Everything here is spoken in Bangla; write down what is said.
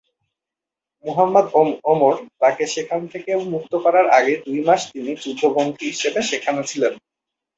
মুহাম্মদ ওমর তাকে সেখান থেকে মুক্ত করার আগে দুই মাস তিনি যুদ্ধ বন্দী হিসেবে সেখানে ছিলেন।